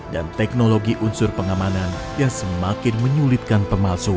dan teknologi unsur pengamanan yang semakin menyulitkan pemalsuan